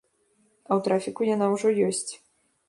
А ў трафіку яна ўжо ёсць.